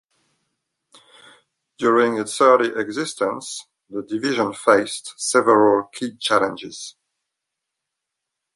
During its early existence, the division faced several key challenges.